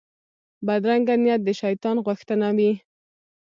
بدرنګه نیت د شیطان غوښتنه وي